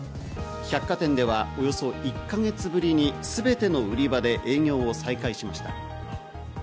百貨店ではおよそ１か月ぶりにすべての売り場で営業を再開しました。